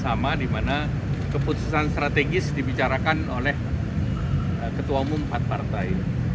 sama dimana keputusan strategis dibicarakan oleh ketua umum empat partai